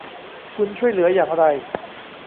คุณช่วยเหลืออย่างไร